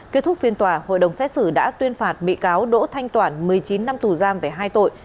kết thúc phiên tòa hội đồng xét xử đã tuyên phạt bị cáo đỗ thanh toản một mươi chín năm tù giam về hai tội